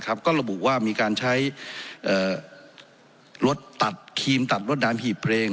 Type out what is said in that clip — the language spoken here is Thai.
ก็ระบุว่ามีการใช้รถตัดครีมตัดรถน้ำหีบเพลง